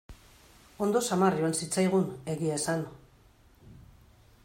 Ondo samar joan zitzaigun, egia esan.